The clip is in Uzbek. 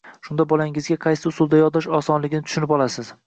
shunda bolangizga qaysi usulda yodlash osonligini tushunib olasiz.